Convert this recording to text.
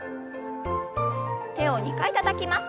手を２回たたきます。